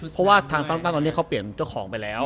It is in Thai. เพราะว่าทางซาก้าตอนนี้เขาเปลี่ยนเจ้าของไปแล้ว